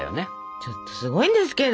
ちょっとすごいんですけど。